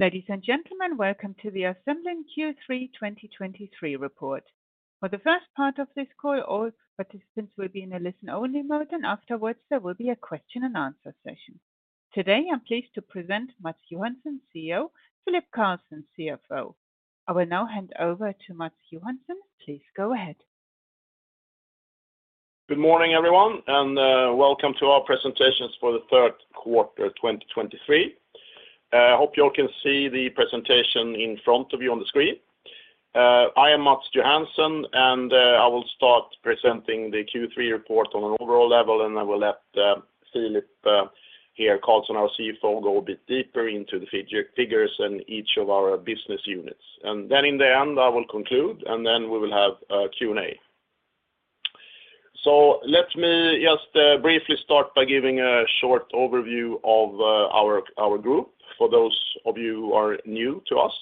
Ladies and gentlemen, welcome to the Assemblin Q3 2023 report. For the first part of this call, all participants will be in a listen-only mode, and afterwards, there will be a question-and-answer session. Today, I'm pleased to present Mats Johansson, CEO, Philip Carlsson, CFO. I will now hand over to Mats Johansson. Please go ahead. Good morning, everyone, and welcome to our presentations for the Q3 2023. I hope you all can see the presentation in front of you on the screen. I am Mats Johansson, and I will start presenting the Q3 report on an overall level, and I will let Philip Carlsson, our CFO, go a bit deeper into the figures in each of our business units. Then in the end, I will conclude, and then we will have a Q&A. So let me just briefly start by giving a short overview of our group, for those of you who are new to us.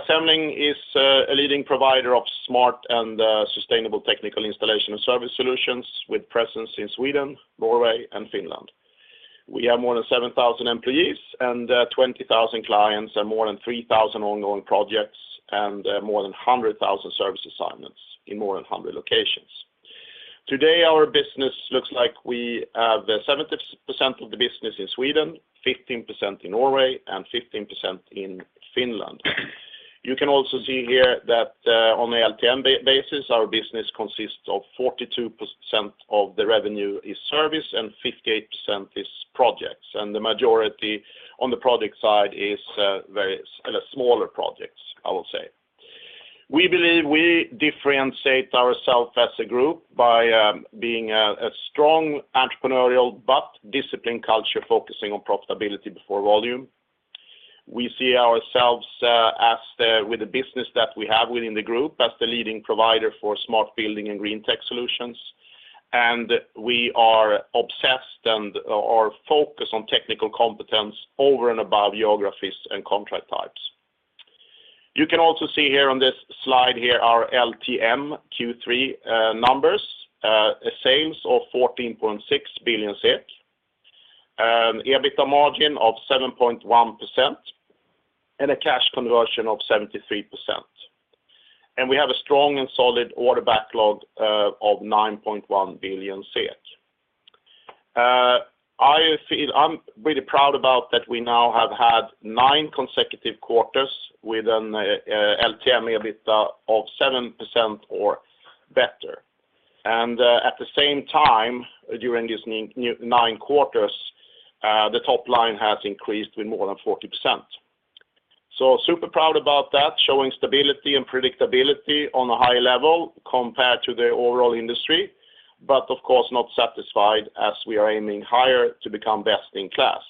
Assemblin is a leading provider of smart and sustainable technical installation and service solutions with presence in Sweden, Norway, and Finland. We have more than 7,000 employees and 20,000 clients and more than 3,000 ongoing projects and more than 100,000 service assignments in more than 100 locations. Today, our business looks like we have 70% of the business in Sweden, 15% in Norway, and 15% in Finland. You can also see here that on a LTM basis, our business consists of 42% of the revenue is service and 58% is projects, and the majority on the project side is very smaller projects, I will say. We believe we differentiate ourselves as a group by being a strong entrepreneurial but disciplined culture, focusing on profitability before volume. We see ourselves as the with the business that we have within the group, as the leading provider for smart building and green tech solutions. We are obsessed and, or focused on technical competence over and above geographies and contract types. You can also see here on this slide here, our LTM Q3 numbers, a sales of 14.6 billion SEK, an EBITDA margin of 7.1%, and a cash conversion of 73%. We have a strong and solid order backlog of 9.1 billion SEK. I feel, I'm really proud about that we now have had nine consecutive quarters with an LTM EBITDA of 7% or better. At the same time, during these nine quarters, the top line has increased with more than 40%. So super proud about that, showing stability and predictability on a high level compared to the overall industry, but of course, not satisfied as we are aiming higher to become best in class.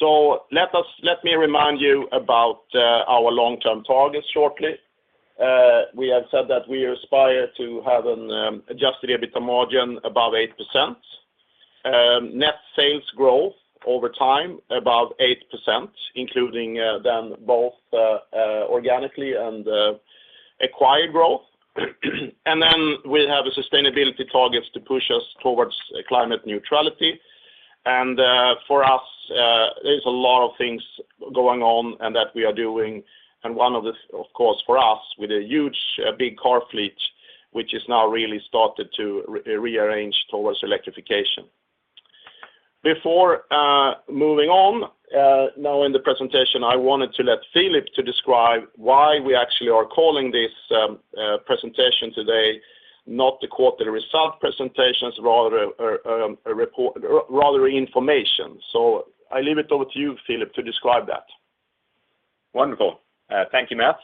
So let me remind you about our long-term targets shortly. We have said that we aspire to have an Adjusted EBITDA margin above 8%, net sales growth over time above 8%, including then both organically and acquired growth. And then we have a sustainability targets to push us towards climate neutrality. And for us, there's a lot of things going on and that we are doing, and one of this, of course, for us, with a huge, big car fleet, which is now really started to rearrange towards electrification. Before moving on, now in the presentation, I wanted to let Philip describe why we actually are calling this presentation today, not the quarter result presentations, rather, a report, rather information. So I leave it over to you, Philip, to describe that. Wonderful. Thank you, Mats.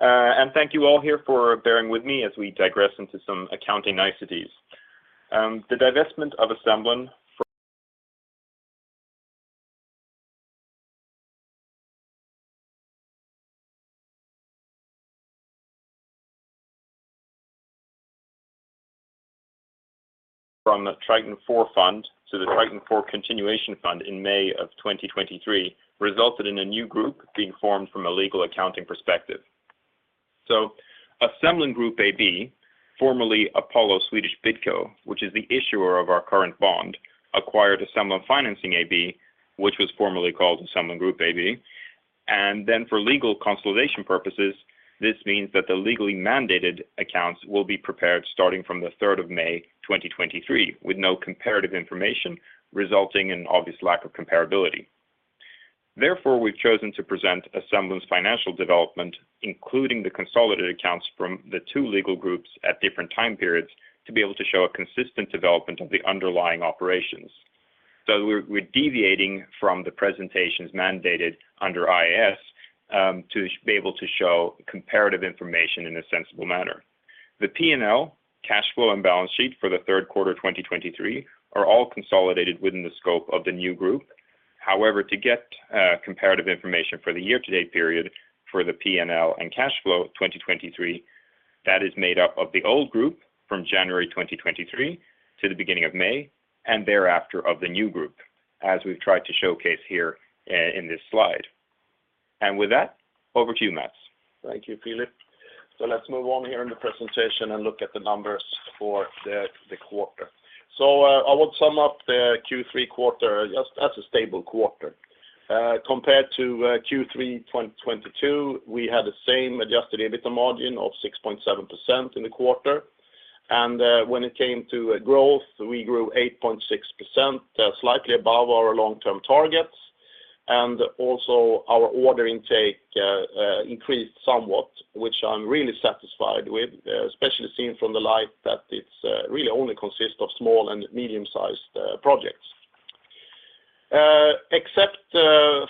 And thank you all here for bearing with me as we digress into some accounting niceties. The divestment of Assemblin from the Triton Four Fund to the Triton Four Continuation Fund in May 2023 resulted in a new group being formed from a legal accounting perspective. So Assemblin Group AB, formerly Apollo Swedish Bidco, which is the issuer of our current bond, acquired Assemblin Financing AB, which was formerly called Assemblin Group AB. And then for legal consolidation purposes, this means that the legally mandated accounts will be prepared starting from the third of May 2023, with no comparative information, resulting in obvious lack of comparability. Therefore, we've chosen to present Assemblin's financial development, including the consolidated accounts from the two legal groups at different time periods, to be able to show a consistent development of the underlying operations. So we're deviating from the presentations mandated under IAS to be able to show comparative information in a sensible manner. The P&L, cash flow, and balance sheet for the Q3 2023 are all consolidated within the scope of the new group. However, to get comparative information for the year-to-date period for the P&L and cash flow of 2023, that is made up of the old group from January 2023 to the beginning of May, and thereafter of the new group, as we've tried to showcase here in this slide. And with that, over to you, Mats. Thank you, Philip. So let's move on here in the presentation and look at the numbers for the quarter. So I would sum up the Q3 quarter as a stable quarter. Compared to Q3 2022, we had the same adjusted EBITDA margin of 6.7% in the quarter. And when it came to growth, we grew 8.6%, slightly above our long-term targets. And also our order intake increased somewhat, which I'm really satisfied with, especially seeing from the light that it's really only consist of small and medium-sized projects. Except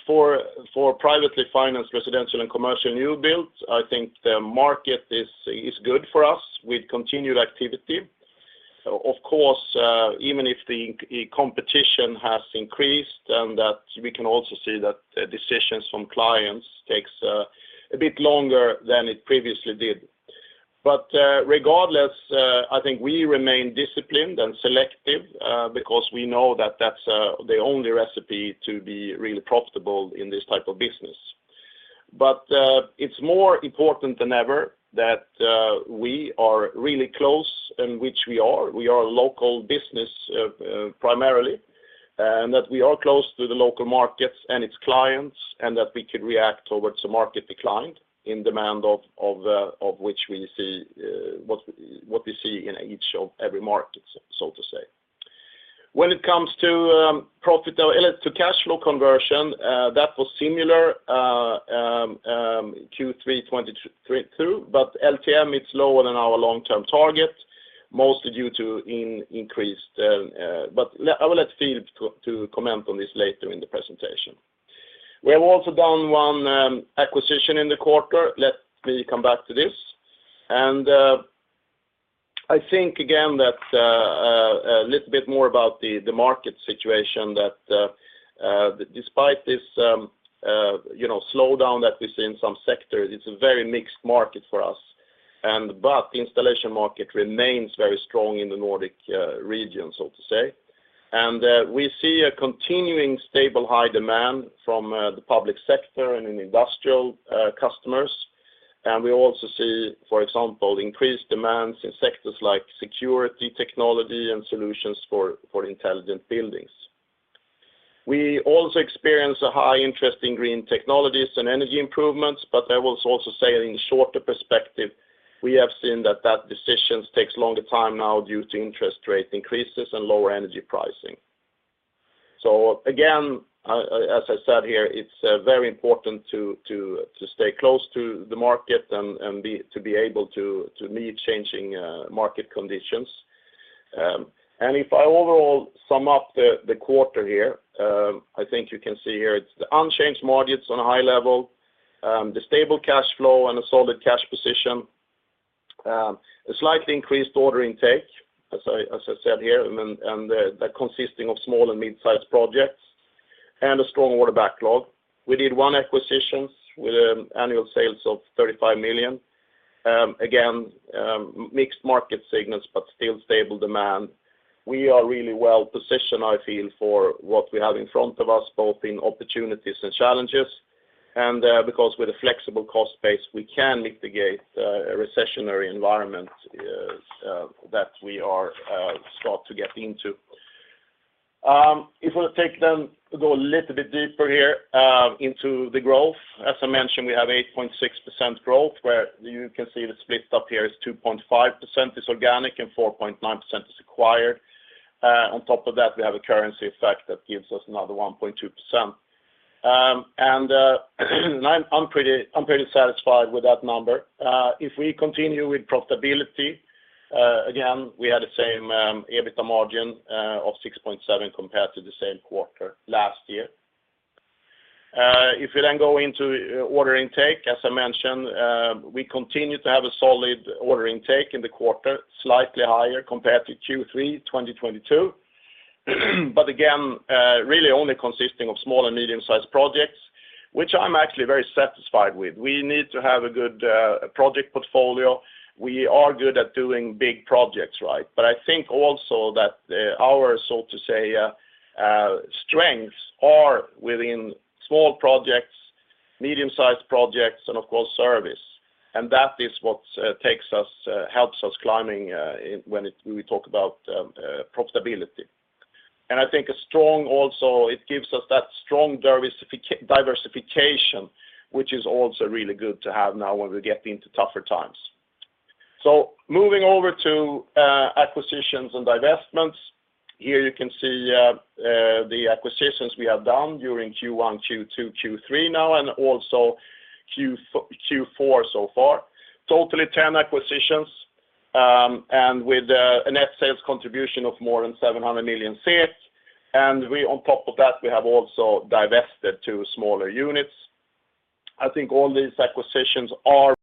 for privately financed residential and commercial new builds, I think the market is good for us with continued activity. Of course, even if the competition has increased, then that we can also see that decisions from clients takes a bit longer than it previously did. But, regardless, I think we remain disciplined and selective, because we know that that's the only recipe to be really profitable in this type of business. But, it's more important than ever that we are really close, and which we are. We are a local business, primarily, and that we are close to the local markets and its clients, and that we could react towards a market decline in demand of which we see what we see in each of every market, so to say. When it comes to profit or to cash flow conversion, that was similar, Q3 2022, but LTM, it's lower than our long-term target, mostly due to increased... But I will let Philip comment on this later in the presentation. We have also done one acquisition in the quarter. Let me come back to this. And I think again, that a little bit more about the market situation, that despite this, you know, slowdown that we see in some sectors, it's a very mixed market for us. But the installation market remains very strong in the Nordic region, so to say. And we see a continuing stable, high demand from the public sector and in industrial customers. And we also see, for example, increased demands in sectors like security, technology, and solutions for intelligent buildings. We also experience a high interest in green technologies and energy improvements, but I will also say in shorter perspective, we have seen that decisions takes longer time now due to interest rate increases and lower energy pricing. So again, as I said here, it's very important to stay close to the market and be able to meet changing market conditions. And if I overall sum up the quarter here, I think you can see here, it's the unchanged markets on a high level, the stable cash flow and a solid cash position, a slightly increased order intake, as I said here, and that consisting of small and mid-sized projects, and a strong order backlog. We did one acquisition with annual sales of 35 million. Again, mixed market signals, but still stable demand. We are really well positioned, I feel, for what we have in front of us, both in opportunities and challenges. And because with a flexible cost base, we can mitigate a recessionary environment that we are start to get into. If we take then go a little bit deeper here, into the growth, as I mentioned, we have 8.6% growth, where you can see the split up here is 2.5% is organic and 4.9% is acquired. On top of that, we have a currency effect that gives us another 1.2%. And, I'm pretty satisfied with that number. If we continue with profitability, again, we had the same EBITDA margin of 6.7 compared to the same quarter last year. If we then go into order intake, as I mentioned, we continue to have a solid order intake in the quarter, slightly higher compared to Q3 2022. But again, really only consisting of small and medium-sized projects, which I'm actually very satisfied with. We need to have a good project portfolio. We are good at doing big projects, right? But I think also that our, so to say, strengths are within small projects, medium-sized projects, and of course, service. And that is what takes us helps us climbing when we talk about profitability. And I think a strong also, it gives us that strong diversification, which is also really good to have now when we get into tougher times. So moving over to acquisitions and divestments. Here you can see the acquisitions we have done during Q1, Q2, Q3 now, and also Q4, Q4 so far. Total of 10 acquisitions, and with a net sales contribution of more than 700 million. And we on top of that, we have also divested two smaller units. I think all these acquisitions are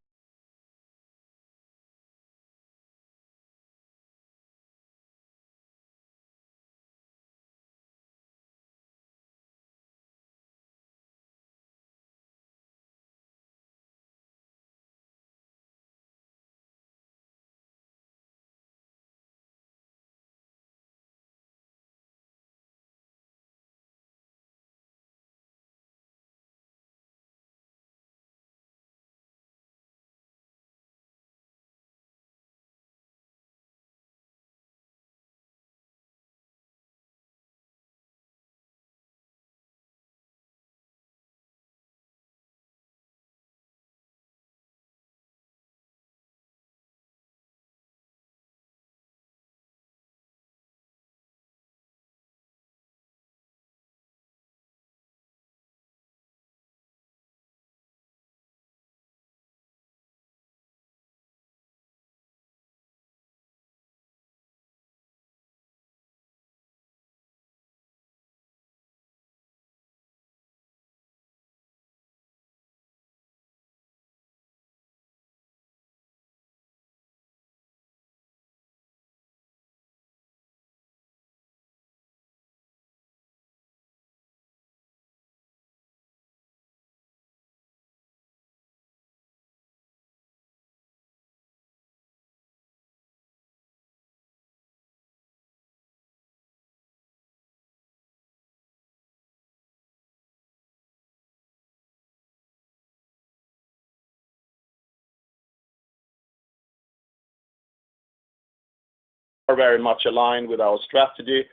very much aligned with our strategy,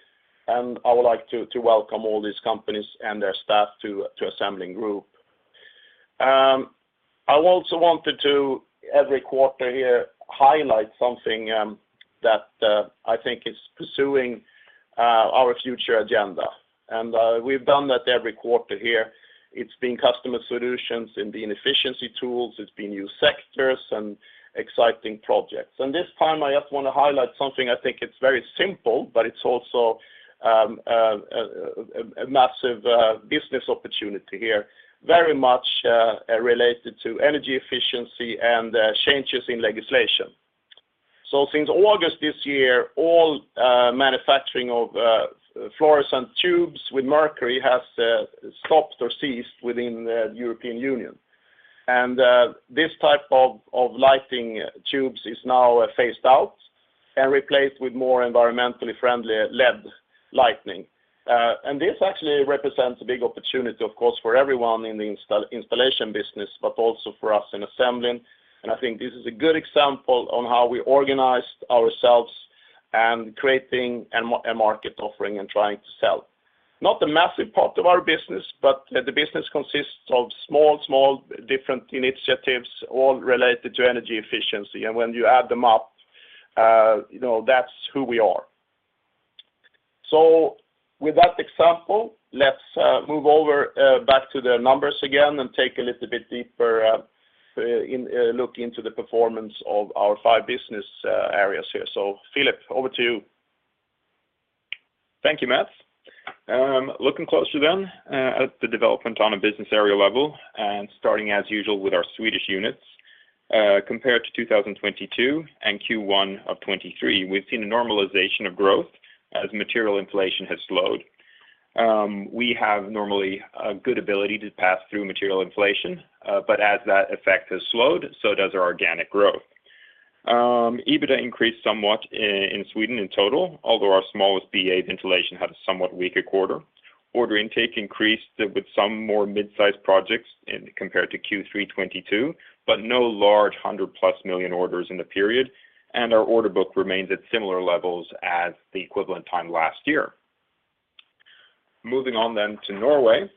and I would like to welcome all these companies and their staff to Assemblin Group. I also wanted to, every quarter here, highlight something that I think is pursuing our future agenda, and we've done that every quarter here. It's been customer solutions and being efficiency tools, it's been new sectors and exciting projects. And this time, I just want to highlight something, I think it's very simple, but it's also a massive business opportunity here, very much related to energy efficiency and changes in legislation. So since August this year, all manufacturing of fluorescent tubes with mercury has stopped or ceased within the European Union. And this type of lighting tubes is now phased out and replaced with more environmentally friendly LED lighting. And this actually represents a big opportunity, of course, for everyone in the installation business, but also for us in Assemblin. And I think this is a good example on how we organized ourselves and creating a market offering and trying to sell. Not a massive part of our business, but the business consists of small, small, different initiatives, all related to energy efficiency. And when you add them up, you know, that's who we are. So with that example, let's move over back to the numbers again and take a little bit deeper look into the performance of our five business areas here. So, Philip, over to you. Thank you, Mats. Looking closer then, at the development on a business area level and starting as usual with our Swedish units. Compared to 2022 and Q1 of 2023, we've seen a normalization of growth as material inflation has slowed. We have normally a good ability to pass through material inflation, but as that effect has slowed, so does our organic growth. EBITDA increased somewhat in Sweden in total, although our smallest BA ventilation had a somewhat weaker quarter. Order intake increased with some more mid-sized projects compared to Q3 2022, but no large 100+ million orders in the period, and our order book remains at similar levels as the equivalent time last year. Moving on then to Norway.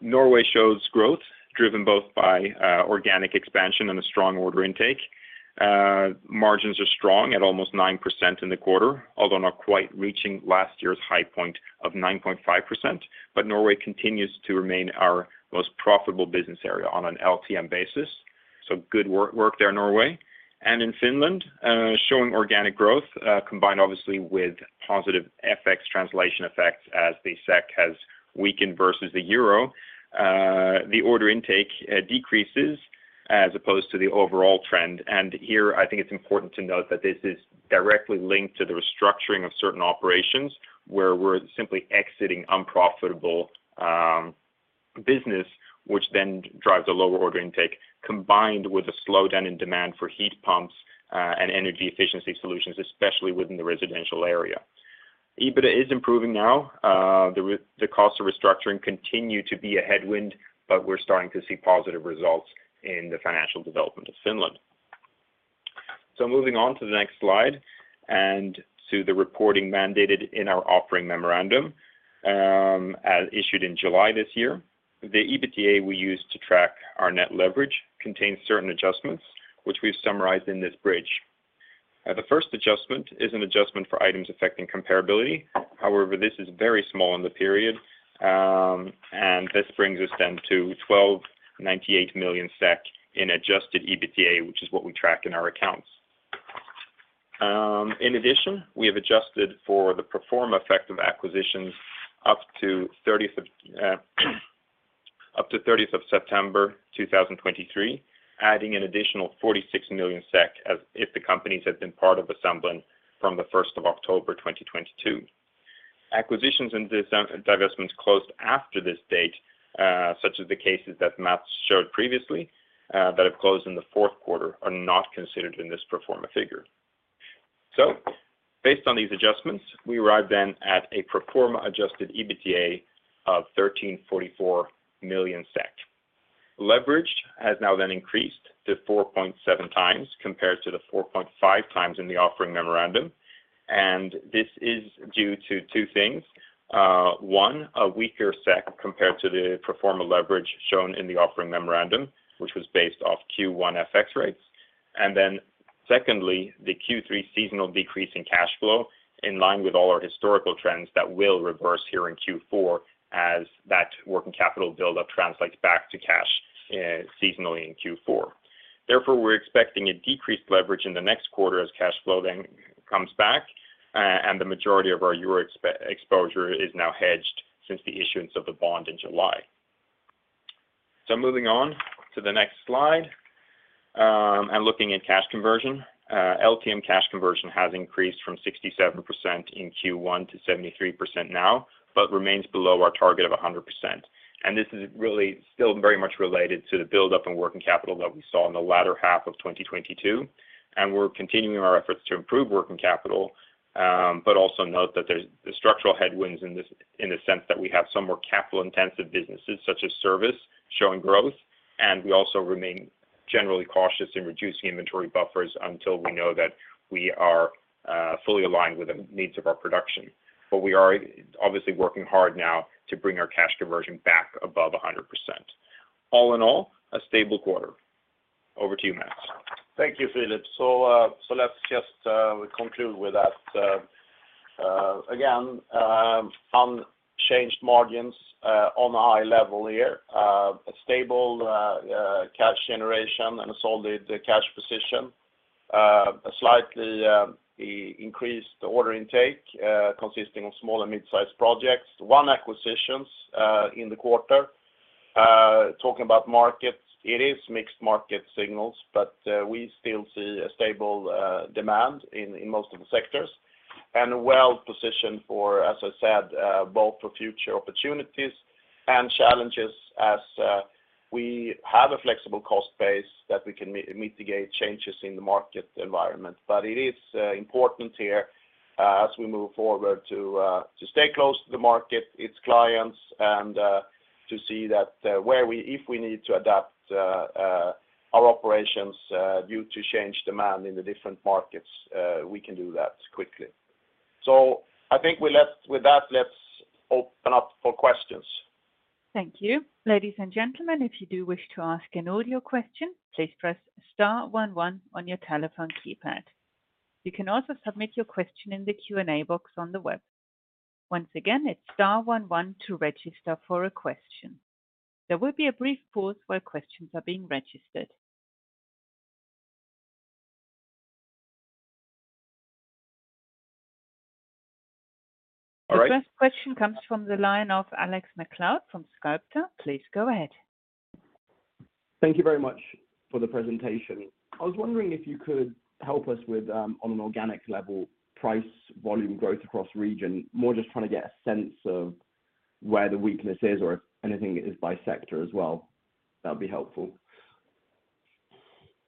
Norway shows growth, driven both by organic expansion and a strong order intake. Margins are strong at almost 9% in the quarter, although not quite reaching last year's high point of 9.5%, but Norway continues to remain our most profitable business area on an LTM basis. So good work, work there, Norway. And in Finland, showing organic growth, combined obviously with positive FX translation effects as the SEK has weakened versus the euro. The order intake decreases as opposed to the overall trend. And here, I think it's important to note that this is directly linked to the restructuring of certain operations, where we're simply exiting unprofitable business, which then drives a lower order intake, combined with a slowdown in demand for heat pumps and energy efficiency solutions, especially within the residential area. EBITDA is improving now, the cost of restructuring continue to be a headwind, but we're starting to see positive results in the financial development of Finland. So moving on to the next slide, and to the reporting mandated in our offering memorandum, as issued in July this year. The EBITDA we use to track our net leverage contains certain adjustments, which we've summarized in this bridge. The first adjustment is an adjustment for items affecting comparability. However, this is very small in the period, and this brings us then to 1,298 million SEK in adjusted EBITDA, which is what we track in our accounts. In addition, we have adjusted for the pro forma effect of acquisitions up to the 30th of September 2023, adding an additional 46 million SEK as if the companies had been part of Assemblin from the 1st of October 2022. Acquisitions and divestments closed after this date, such as the cases that Mats showed previously, that have closed in the Q4, are not considered in this pro forma figure. So based on these adjustments, we arrive then at a pro forma adjusted EBITDA of 1,344 million SEK. Leverage has now then increased to 4.7 times, compared to the 4.5 times in the offering memorandum. And this is due to two things. One, a weaker SEK compared to the pro forma leverage shown in the offering memorandum, which was based off Q1 FX rates. And then secondly, the Q3 seasonal decrease in cash flow, in line with all our historical trends that will reverse here in Q4 as that working capital buildup translates back to cash, seasonally in Q4. Therefore, we're expecting a decreased leverage in the next quarter as cash flow then comes back, and the majority of our euro exposure is now hedged since the issuance of the bond in July. So moving on to the next slide, and looking at cash conversion, LTM cash conversion has increased from 67% in Q1 to 73% now, but remains below our target of 100%. This is really still very much related to the buildup in working capital that we saw in the latter half of 2022, and we're continuing our efforts to improve working capital. But also note that there's the structural headwinds in the sense that we have some more capital-intensive businesses, such as service, showing growth, and we also remain generally cautious in reducing inventory buffers until we know that we are fully aligned with the needs of our production. But we are obviously working hard now to bring our cash conversion back above 100%. All in all, a stable quarter. Over to you, Mats. Thank you, Philip. So, let's just conclude with that. Again, unchanged margins on a high level here, a stable cash generation and a solid cash position, a slightly increased order intake consisting of small and mid-sized projects, one acquisition in the quarter. Talking about markets, it is mixed market signals, but we still see a stable demand in most of the sectors, and well-positioned for, as I said, both for future opportunities and challenges as we have a flexible cost base that we can mitigate changes in the market environment. But it is important here, as we move forward, to stay close to the market, its clients, and to see that where if we need to adapt our operations due to change demand in the different markets, we can do that quickly. So I think with that, let's open up for questions. Thank you. Ladies and gentlemen, if you do wish to ask an audio question, please press star one one on your telephone keypad. You can also submit your question in the Q&A box on the web. Once again, it's star one one to register for a question. There will be a brief pause while questions are being registered. All right. The first question comes from the line of Alex MacLeod from Sculptor. Please go ahead. Thank you very much for the presentation. I was wondering if you could help us with, on an organic level, price volume growth across region, more just trying to get a sense of where the weakness is or if anything is by sector as well. That'd be helpful.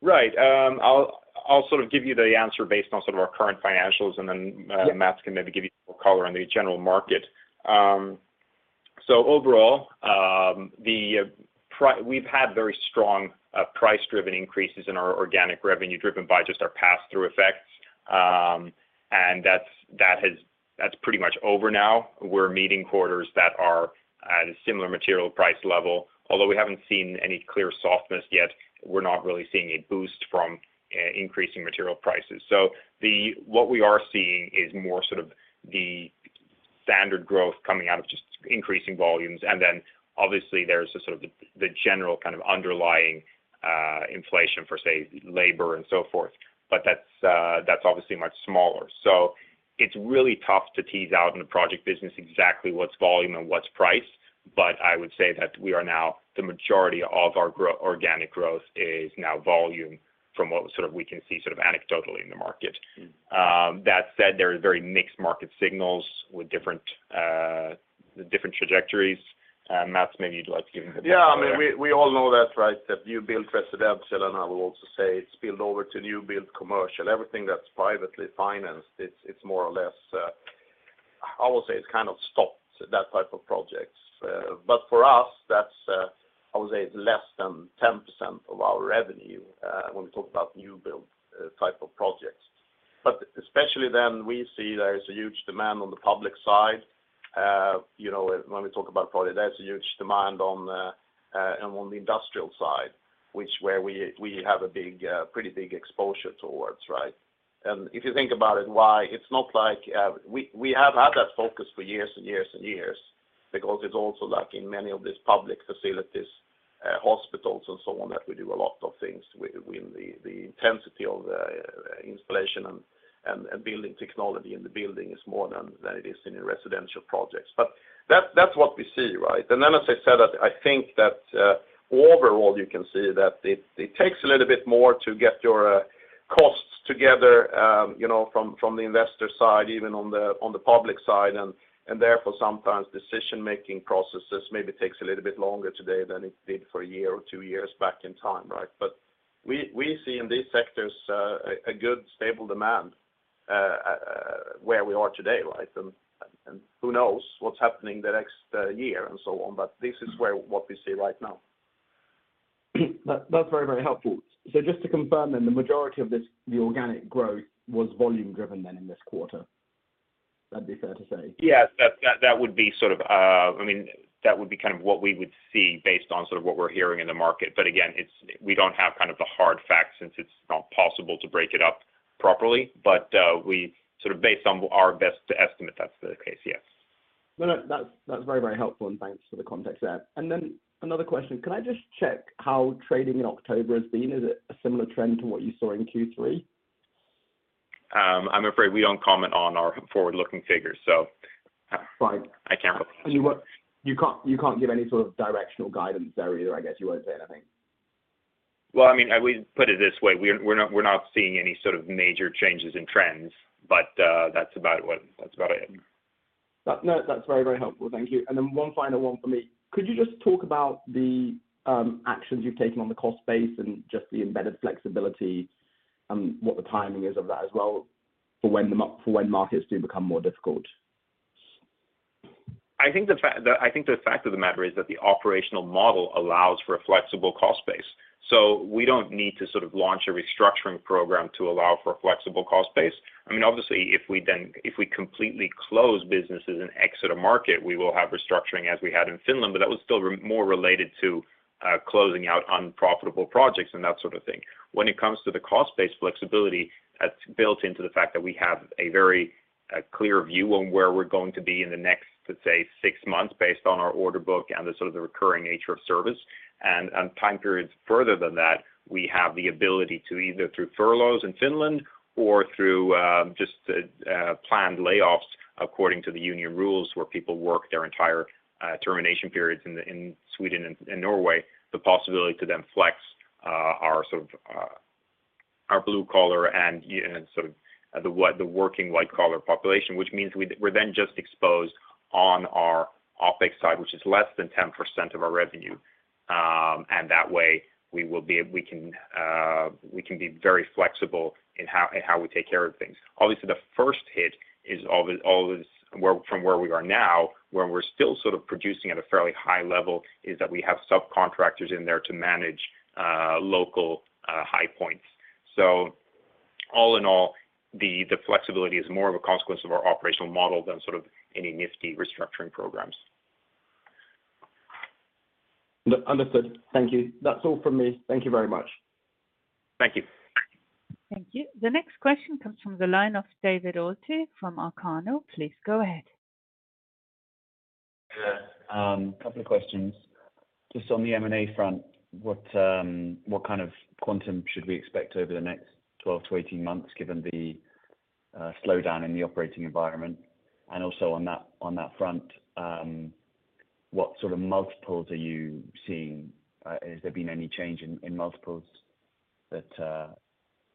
Right. I'll sort of give you the answer based on sort of our current financials, and then Mats can maybe give you more color on the general market. So overall, we've had very strong price-driven increases in our organic revenue, driven by just our pass-through effects, and that's pretty much over now. We're meeting quarters that are at a similar material price level. Although we haven't seen any clear softness yet, we're not really seeing a boost from increasing material prices. So what we are seeing is more sort of the standard growth coming out of just increasing volumes, and then obviously, there's sort of the general kind of underlying inflation for, say, labor and so forth, but that's obviously much smaller. So it's really tough to tease out in the project business exactly what's volume and what's price, but I would say that we are now, the majority of our organic growth is now volume from what sort of we can see sort of anecdotally in the market. That said, there are very mixed market signals with different, different trajectories, and Mats, maybe you'd like to give him the- Yeah, I mean, we all know that, right? That new build residential, and I will also say it's spilled over to new build commercial. Everything that's privately financed, it's more or less, I will say it's kind of stopped, that type of projects. But for us, that's, I would say it's less than 10% of our revenue, when we talk about new build, type of projects. But especially then, we see there is a huge demand on the public side. You know, when we talk about probably there's a huge demand on the, on the industrial side, which where we have a big, pretty big exposure towards, right? And if you think about it, why? It's not like we have had that focus for years and years and years, because it's also like in many of these public facilities, hospitals and so on, that we do a lot of things with the intensity of the installation and building technology in the building is more than it is in residential projects. But that's what we see, right? And then, as I said, I think that overall, you can see that it takes a little bit more to get your costs together, you know, from, from the investor side, even on the, on the public side, and, and therefore, sometimes decision-making processes maybe takes a little bit longer today than it did for a year or two years back in time, right? But we, we see in these sectors, a, a good stable demand, where we are today, right? And, and who knows what's happening the next, year, and so on. But this is where- what we see right now. That's very, very helpful. So just to confirm, then, the majority of this, the organic growth was volume-driven then, in this quarter? That'd be fair to say. Yes, that would be sort of, I mean, that would be kind of what we would see based on sort of what we're hearing in the market. But again, it's, we don't have kind of the hard facts, since it's not possible to break it up properly. But, we sort of based on our best estimate, that's the case, yes. No, no, that's, that's very, very helpful, and thanks for the context there. And then another question: Can I just check how trading in October has been? Is it a similar trend to what you saw in Q3? I'm afraid we don't comment on our forward-looking figures, so- Right. I can't- You what? You can't, you can't give any sort of directional guidance there, either, I guess. You won't say anything. Well, I mean, I would put it this way: We're not seeing any sort of major changes in trends, but that's about it. No, that's very, very helpful. Thank you. And then one final one for me. Could you just talk about the actions you've taken on the cost base and just the embedded flexibility, and what the timing is of that as well, for when markets do become more difficult? I think the fact of the matter is that the operational model allows for a flexible cost base, so we don't need to sort of launch a restructuring program to allow for a flexible cost base. I mean, obviously, if we then, if we completely close businesses and exit a market, we will have restructuring, as we had in Finland, but that was still more related to closing out unprofitable projects and that sort of thing. When it comes to the cost base flexibility, that's built into the fact that we have a very clear view on where we're going to be in the next, let's say, six months, based on our order book and the sort of recurring nature of service. Time periods further than that, we have the ability to either through furloughs in Finland or through just planned layoffs according to the union rules, where people work their entire termination periods in Sweden and Norway, the possibility to then flex our sort of our blue collar and sort of the working white-collar population. Which means we're then just exposed on our OpEx side, which is less than 10% of our revenue. And that way, we will be... We can be very flexible in how we take care of things. Obviously, the first hit is always from where we are now, where we're still sort of producing at a fairly high level, is that we have subcontractors in there to manage local high points. All in all, the flexibility is more of a consequence of our operational model than sort of any nifty restructuring programs. Understood. Thank you. That's all from me. Thank you very much. Thank you. Thank you. The next question comes from the line of David Alty, from Arcano. Please go ahead. Yeah. Couple of questions. Just on the M&A front, what kind of quantum should we expect over the next 12-18 months, given the slowdown in the operating environment? And also on that front, what sort of multiples are you seeing? Has there been any change in multiples that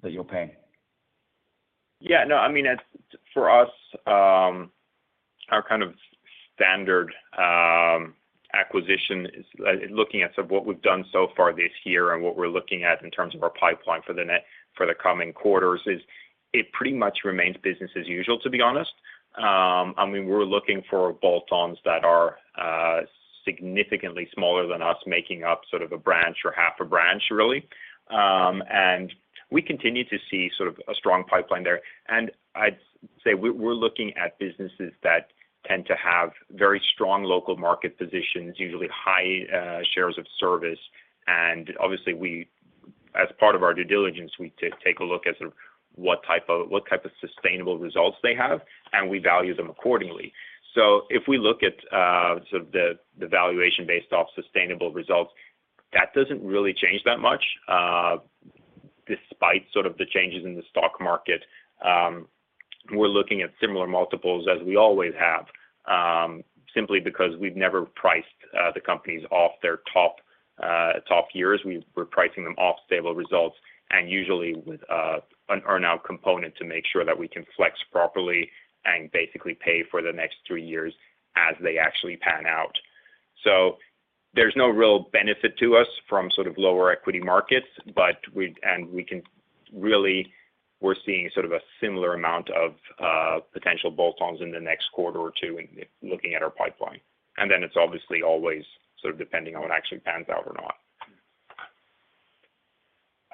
you're paying? Yeah, no, I mean, it's for us, our kind of standard acquisition is looking at sort of what we've done so far this year and what we're looking at in terms of our pipeline for the next, for the coming quarters; it pretty much remains business as usual, to be honest. I mean, we're looking for add-ons that are significantly smaller than us, making up sort of a branch or half a branch, really. And we continue to see sort of a strong pipeline there. And I'd say we're looking at businesses that tend to have very strong local market positions, usually high shares of service. And obviously, we as part of our due diligence, we take a look at sort of what type of sustainable results they have, and we value them accordingly. So if we look at sort of the valuation based off sustainable results, that doesn't really change that much, despite sort of the changes in the stock market. We're looking at similar multiples as we always have, simply because we've never priced the companies off their top top years. We're pricing them off stable results and usually with an earn-out component to make sure that we can flex properly and basically pay for the next three years as they actually pan out. So there's no real benefit to us from sort of lower equity markets, but we... And we can really, we're seeing sort of a similar amount of potential bolt-ons in the next quarter or two in looking at our pipeline. And then it's obviously always sort of depending on what actually pans out or not.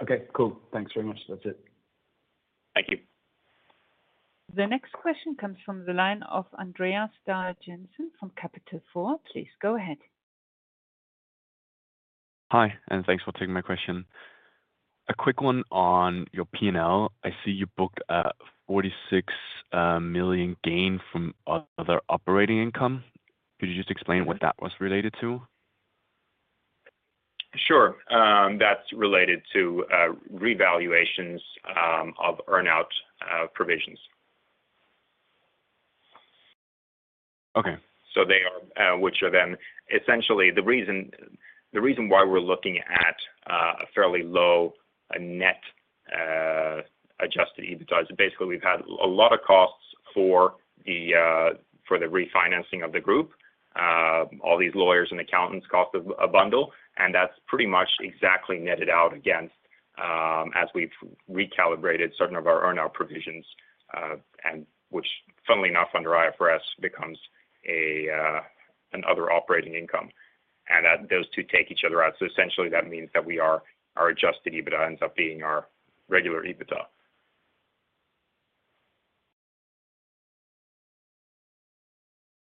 Okay, cool. Thanks very much. That's it. Thank you. The next question comes from the line of Andreas Dahl-Jensen, from Capital Four. Please go ahead. Hi, and thanks for taking my question. A quick one on your P&L. I see you booked a 46 million gain from other operating income. Could you just explain what that was related to? Sure. That's related to revaluations of earn-out provisions. Okay. So they are which are then essentially the reason, the reason why we're looking at a fairly low net Adjusted EBITDA, is basically, we've had a lot of costs for the refinancing of the group. All these lawyers and accountants cost a bundle, and that's pretty much exactly netted out against, as we've recalibrated certain of our earn-out provisions, and which funnily enough, under IFRS, becomes an other operating income, and those two take each other out. So essentially, that means that we are, our Adjusted EBITDA ends up being our regular EBITDA.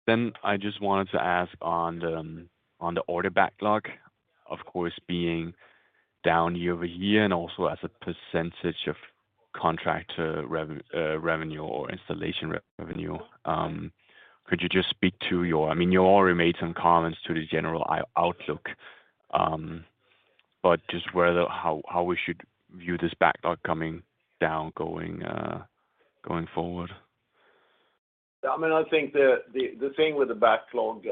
Then I just wanted to ask on the order backlog, of course, being down year-over-year, and also as a percentage of contractor revenue or installation revenue. Could you just speak to your—I mean, you already made some comments to the general outlook, but just where the—how we should view this backlog coming down going forward? I mean, I think the thing with the backlog,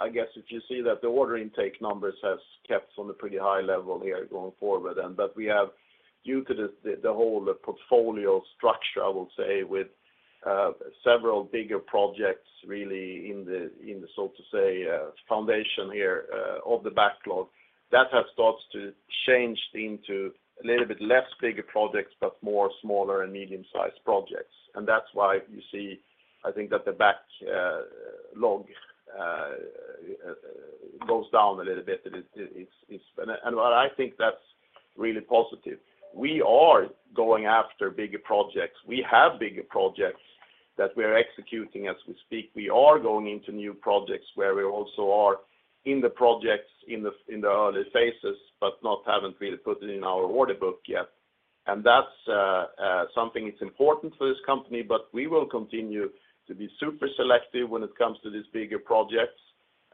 I guess if you see that the order intake numbers has kept on a pretty high level here going forward, and but we have due to the whole portfolio structure, I will say, with several bigger projects really in the so to say foundation here of the backlog, that has started to change into a little bit less bigger projects, but more smaller and medium-sized projects. And that's why you see, I think that the backlog goes down a little bit, and it's-- And, well, I think that's really positive. We are going after bigger projects. We have bigger projects that we are executing as we speak. We are going into new projects, where we also are in the projects, in the early phases, but haven't really put it in our order book yet. And that's something that's important for this company, but we will continue to be super selective when it comes to these bigger projects.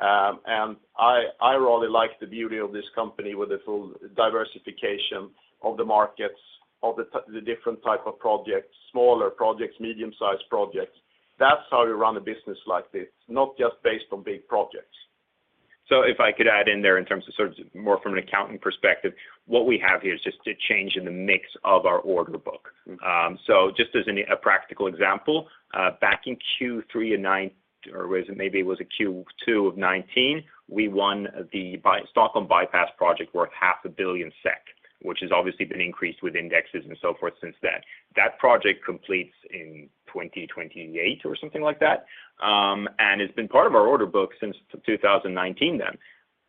And I really like the beauty of this company with the full diversification of the markets, of the different type of projects, smaller projects, medium-sized projects. That's how we run a business like this, not just based on big projects. So if I could add in there in terms of sort of more from an accounting perspective, what we have here is just a change in the mix of our order book. So just as a practical example, back in Q3 of 2019, or was it maybe it was a Q2 of 2019, we won the Stockholm Bypass project, worth 500 million SEK, which has obviously been increased with indexes and so forth since then. That project completes in 2028 or something like that, and it's been part of our order book since 2019 then.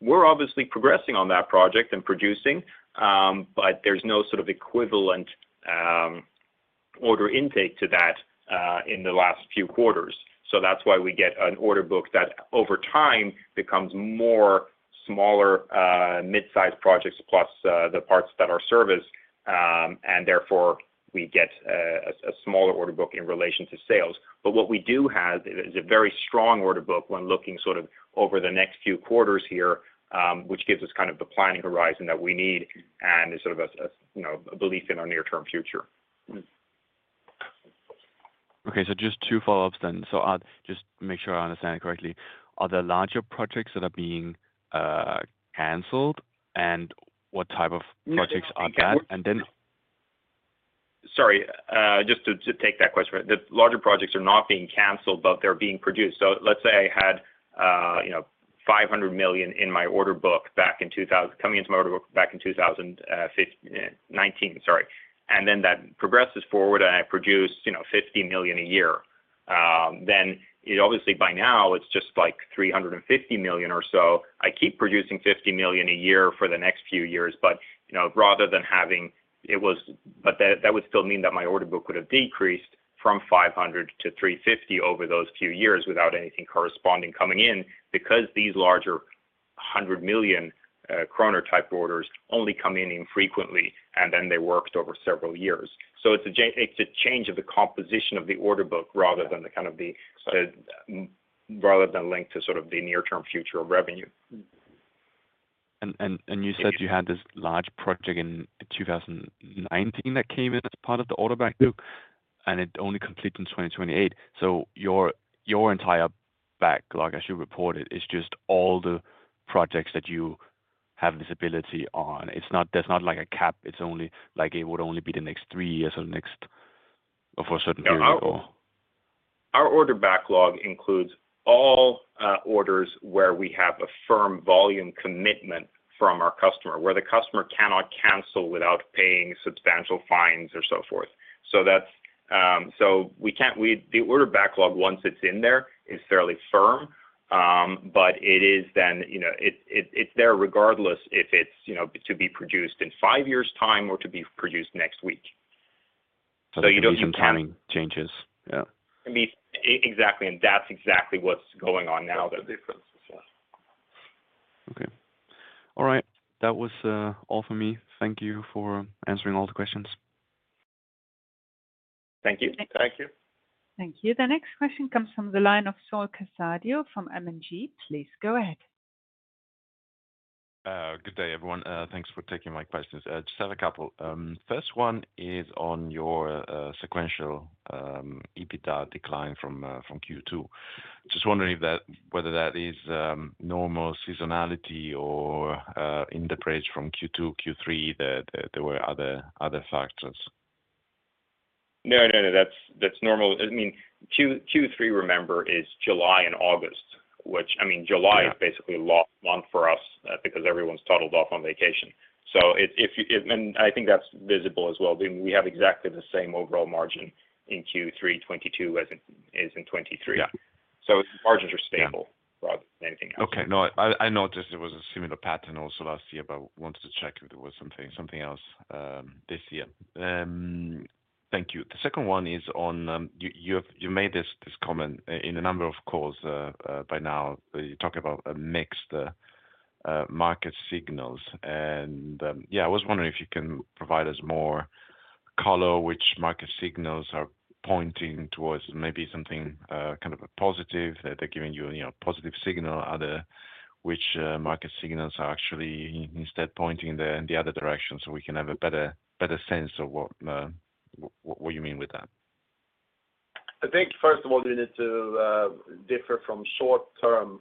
We're obviously progressing on that project and producing, but there's no sort of equivalent, order intake to that, in the last few quarters. So that's why we get an order book that, over time, becomes more smaller mid-sized projects, plus the parts that are serviced, and therefore, we get a smaller order book in relation to sales. But what we do have is a very strong order book when looking sort of over the next few quarters here, which gives us kind of the planning horizon that we need, and sort of a you know, a belief in our near-term future. Mm-hmm. Okay, so just two follow-ups then. So I'll just make sure I understand it correctly. Are there larger projects that are being canceled? And what type of projects are that? And then- Sorry, just to take that question. The larger projects are not being canceled, but they're being produced. So let's say I had, you know, 500 million in my order book back in 2019, sorry, and then that progresses forward, and I produce, you know, 50 million a year. Then, it obviously by now, it's just, like, 350 million or so. I keep producing 50 million a year for the next few years, but, you know, rather than having. But that, that would still mean that my order book would have decreased from 500 to 350 over those few years without anything corresponding coming in, because these larger 100 million kroner type orders only come in infrequently, and then they're worked over several years. It's a change of the composition of the order book rather than the kind of the- Right... rather than linked to sort of the near-term future of revenue. Mm-hmm. And you said you had this large project in 2019 that came in as part of the order backlog, and it only completes in 2028. So your entire backlog, as you report it, is just all the projects that you have visibility on. It's not. There's not, like, a cap, it's only, like, it would only be the next three years or next, or for a certain period or? Our order backlog includes all orders where we have a firm volume commitment from our customer, where the customer cannot cancel without paying substantial fines or so forth. So that's. The order backlog, once it's in there, is fairly firm, but it is then, you know, it, it, it's there regardless if it's, you know, to be produced in five years' time or to be produced next week. So you don't count- So the division timing changes? Yeah. I mean, exactly, and that's exactly what's going on now. That's the difference, yes. Okay. All right. That was all for me. Thank you for answering all the questions. Thank you. Thank you. Thank you. The next question comes from the line of Saul Casadio from M&G. Please go ahead. Good day, everyone. Thanks for taking my questions. Just have a couple. First one is on your sequential EBITDA decline from Q2. Just wondering if that whether that is normal seasonality or in the bridge from Q2, Q3, that there were other factors? No, no, no, that's, that's normal. I mean, Q3, remember, is July and August, which, I mean, July- Yeah is basically a lost month for us because everyone's toddled off on vacation. So if and I think that's visible as well, we have exactly the same overall margin in Q3 2022 as it is in 2023. Yeah. So margins are stable- Yeah rather than anything else. Okay. No, I noticed there was a similar pattern also last year, but wanted to check if there was something else this year. Thank you. The second one is on, you have-- you made this comment in a number of calls by now, you talk about a mixed market signals. And, yeah, I was wondering if you can provide us more color, which market signals are pointing towards maybe something kind of a positive, they're giving you, you know, a positive signal, other which market signals are actually instead pointing in the other direction, so we can have a better sense of what, what you mean with that. I think, first of all, you need to differ from short-term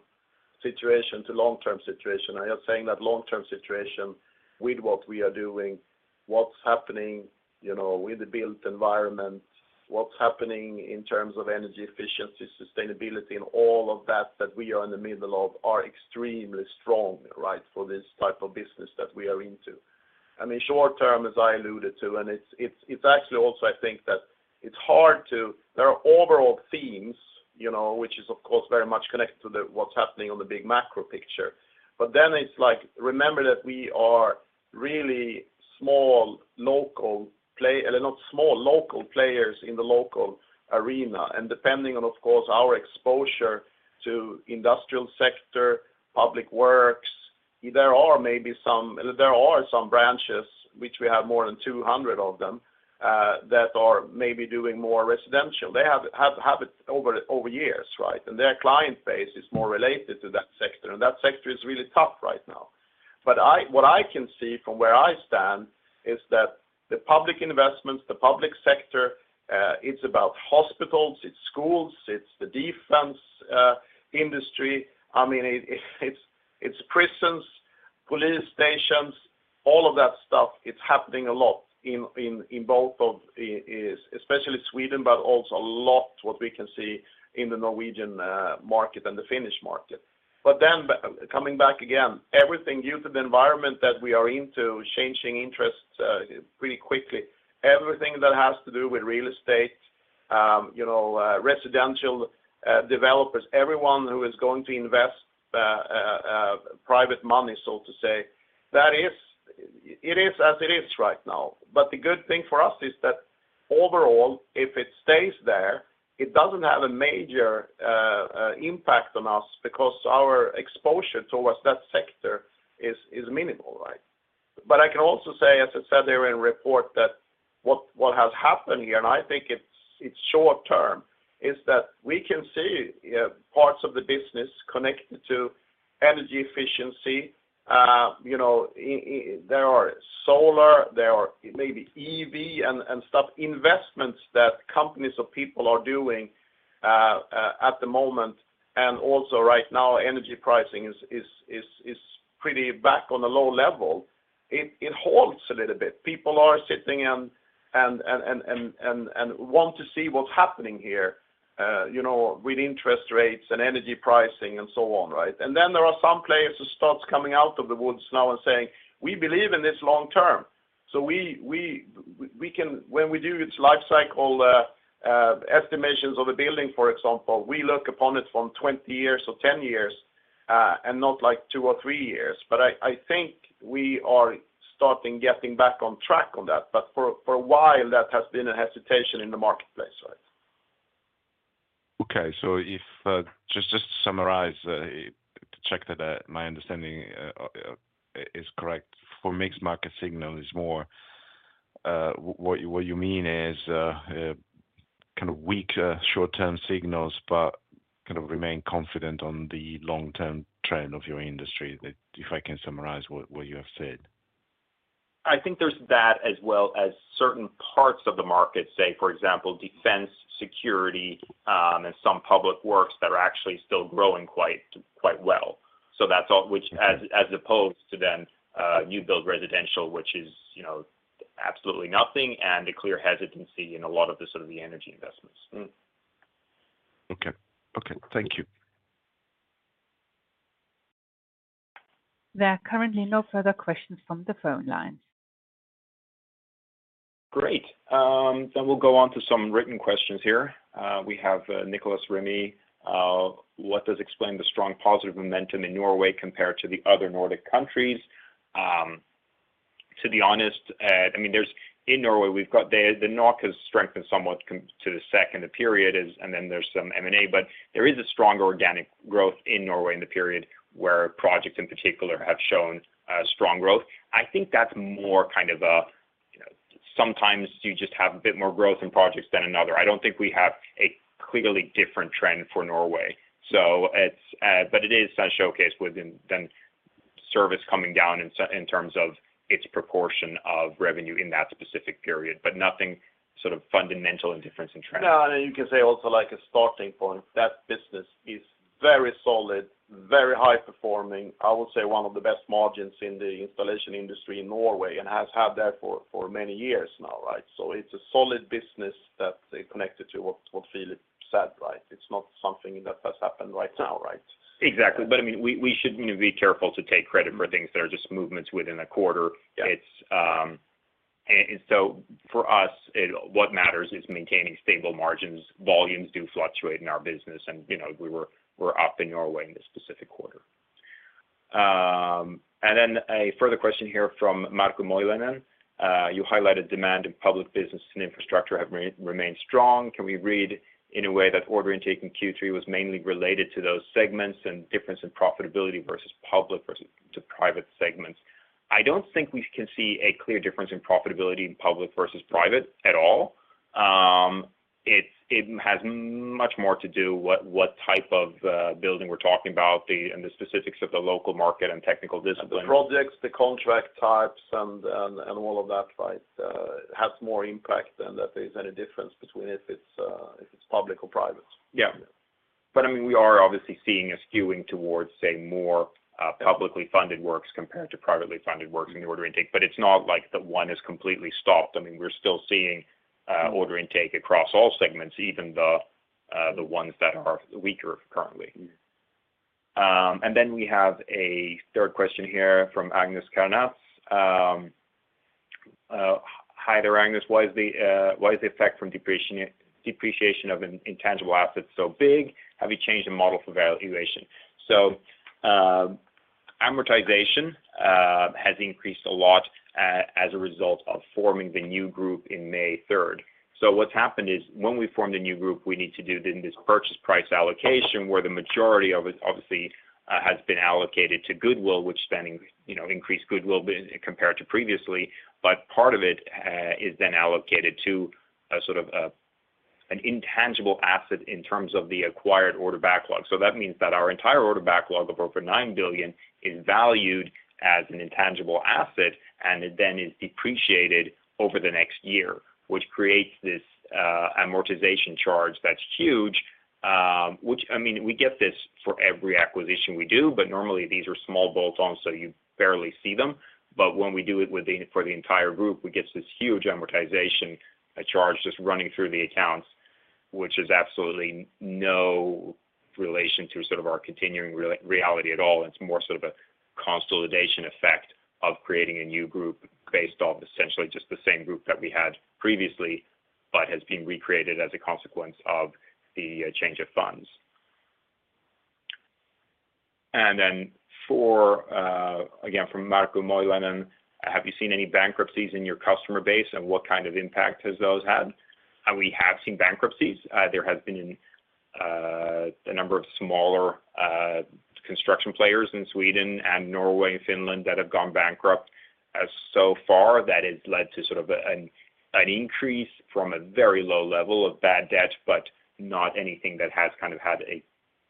situation to long-term situation. I are saying that long-term situation with what we are doing, what's happening, you know, with the built environment, what's happening in terms of energy efficiency, sustainability, and all of that, that we are in the middle of, are extremely strong, right, for this type of business that we are into. I mean, short term, as I alluded to, and it's, it's, it's actually also, I think that it's hard to there are overall themes, you know, which is, of course, very much connected to the what's happening on the big macro picture. But then it's like, remember that we are really small, local play, not small, local players in the local arena, and depending on, of course, our exposure to industrial sector, public works, there are maybe some... There are some branches which we have more than 200 of them, that are maybe doing more residential. They have it over years, right? And their client base is more related to that sector, and that sector is really tough right now. But what I can see from where I stand is that the public investments, the public sector, it's about hospitals, it's schools, it's the defense industry. I mean, it's prisons, police stations, all of that stuff. It's happening a lot in both of, especially Sweden, but also a lot what we can see in the Norwegian market and the Finnish market. But then, coming back again, everything due to the environment that we are into, changing interests pretty quickly, everything that has to do with real estate, you know, residential developers, everyone who is going to invest private money, so to say, that is, it is as it is right now. But the good thing for us is that overall, if it stays there, it doesn't have a major impact on us because our exposure towards that sector is minimal, right? But I can also say, as I said there in report, that what has happened here, and I think it's short term, is that we can see parts of the business connected to energy efficiency. You know, there are solar, there are maybe EV and stuff, investments that companies or people are doing at the moment, and also right now, energy pricing is pretty back on a low level. It halts a little bit. People are sitting and want to see what's happening here, you know, with interest rates and energy pricing and so on, right? And then there are some players who starts coming out of the woods now and saying, "We believe in this long term." So we can when we do its life cycle estimations of a building, for example, we look upon it from 20 years or 10 years, and not like 2 or 3 years. But I think we are starting getting back on track on that. But for a while, that has been a hesitation in the marketplace, right? Okay, so if just to summarize to check that my understanding is correct. For mixed market signal is more what you mean is kind of weaker short-term signals, but kind of remain confident on the long-term trend of your industry, that if I can summarize what you have said. I think there's that, as well as certain parts of the market, say, for example, defense, security, and some public works that are actually still growing quite, quite well. So that's all, which as opposed to then, you build residential, which is, you know, absolutely nothing, and a clear hesitancy in a lot of the sort of the energy investments. Mm-hmm. Okay. Okay, thank you. There are currently no further questions from the phone lines. Great. Then we'll go on to some written questions here. We have Nicholas Remy. What does explain the strong positive momentum in Norway compared to the other Nordic countries? To be honest, I mean, in Norway we've got the NOK has strengthened somewhat compared to the second period, and then there's some M&A, but there is a strong organic growth in Norway in the period where projects in particular have shown strong growth. I think that's more kind of sometimes you just have a bit more growth in projects than another. I don't think we have a clearly different trend for Norway. So it's, but it is a showcase within the service coming down in Sweden in terms of its proportion of revenue in that specific period, but nothing sort of fundamental and difference in trend. No, and you can say also like a starting point, that business is very solid, very high performing. I would say one of the best margins in the installation industry in Norway, and has had that for many years now, right? So it's a solid business that they connected to what Philip said, right? It's not something that has happened right now, right? Exactly. But I mean, we should, you know, be careful to take credit for things that are just movements within a quarter. Yeah. It's. And so for us, what matters is maintaining stable margins. Volumes do fluctuate in our business, and, you know, we're up in Norway in this specific quarter. And then a further question here from Marko Moilanin, "You highlighted demand in public business and infrastructure have remained strong. Can we read in a way that order intake in Q3 was mainly related to those segments and difference in profitability versus public versus private segments?" I don't think we can see a clear difference in profitability in public versus private at all. It's. It has much more to do with what type of building we're talking about, and the specifics of the local market and technical discipline. The projects, the contract types, and all of that, right? Has more impact than that there's any difference between if it's public or private. Yeah. But, I mean, we are obviously seeing a skewing towards, say, more, publicly funded works compared to privately funded works in the order intake, but it's not like the one is completely stopped. I mean, we're still seeing order intake across all segments, even the ones that are weaker currently. Mm-hmm. And then we have a third question here from Agnes Karnats. Hi there, Agnes. "Why is the effect from depreciation of intangible assets so big? Have you changed the model for valuation?" So, amortization has increased a lot as a result of forming the new group in May 3rd. So what's happened is, when we formed a new group, we need to do then this purchase price allocation, where the majority of it, obviously, has been allocated to goodwill, which then, you know, increased goodwill compared to previously, but part of it is then allocated to a sort of an intangible asset in terms of the acquired order backlog. So that means that our entire order backlog of over 9 billion is valued as an intangible asset, and it then is depreciated over the next year, which creates this, amortization charge that's huge. Which, I mean, we get this for every acquisition we do, but normally, these are small bolts on, so you barely see them. But when we do it for the entire group, we get this huge amortization, a charge just running through the accounts, which is absolutely no relation to sort of our continuing reality at all. It's more sort of a consolidation effect of creating a new group based off essentially just the same group that we had previously, but has been recreated as a consequence of the, change of funds. And then for, again, from Marco Moilenin, "Have you seen any bankruptcies in your customer base, and what kind of impact has those had?" We have seen bankruptcies. There has been a number of smaller construction players in Sweden and Norway, Finland, that have gone bankrupt. As so far, that has led to sort of an increase from a very low level of bad debt, but not anything that has kind of had a